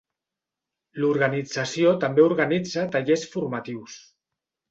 L'organització també organitza tallers formatius.